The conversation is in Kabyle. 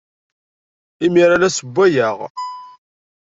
Imir-a, la ssewwayeɣ.